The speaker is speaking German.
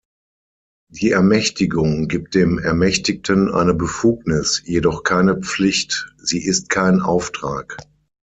Die Ermächtigung gibt dem Ermächtigten eine Befugnis, jedoch keine Pflicht; sie ist kein Auftrag.